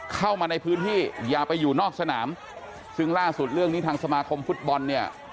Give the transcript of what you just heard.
เข้ามาในพื้นที่อย่าไปอยู่นอกสนามซึ่งล่าสุดเรื่องนี้ทางสมาคมฟุตบอลเนี่ย